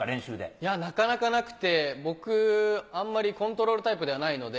いや、なかなかなくて、僕、あんまりコントロールタイプではないので。